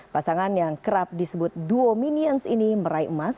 pasangan yang kerap disebut duo minions ini meraih emas